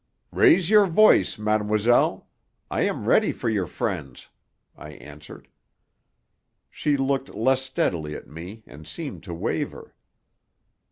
"Raise your voice, mademoiselle. I am ready for your friends," I answered. She looked less steadily at me and seemed to waver.